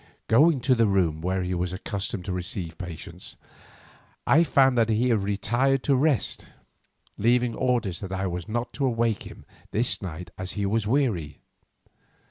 Going to the room where he was accustomed to receive patients, I found he had retired to rest, leaving orders that I was not to awake him this night as he was weary.